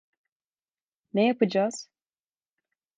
Ne yapıcaz?